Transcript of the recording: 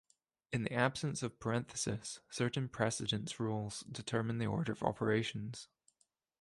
In the absence of parentheses, certain precedence rules determine the order of operations.